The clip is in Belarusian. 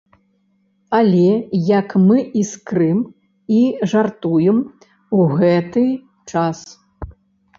Але як мы іскрым і жартуем ў гэты час!